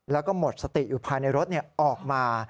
แล้วก็หมดสติอยู่ภายในรถออกมา